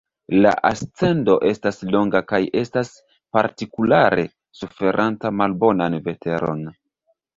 La ascendo estas longa kaj estas partikulare suferanta malbonan veteron.